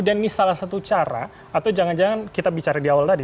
ini salah satu cara atau jangan jangan kita bicara di awal tadi